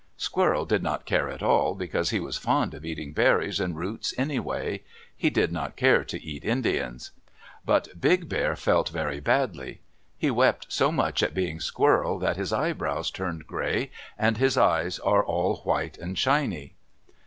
Squirrel did not care at all, because he was fond of eating berries and roots anyway. He did not care to eat Indians. But Big Bear felt very badly. He wept so much at being Squirrel that his eyebrows turned gray, and his eyes are all white and shiny.